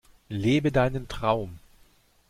Lebe deinen Traum!